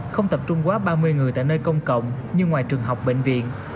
không tập trung quá ba mươi người tại nơi công cộng như ngoài trường học bệnh viện